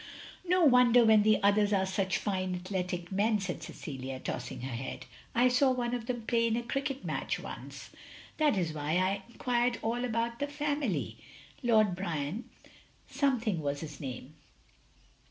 "No wonder, when the others are such fine athletic men," said Cecilia, tossing her head. " I saw one of them play in a cricket match once. That is why I enquired all about the family. Lord Brian something was his name.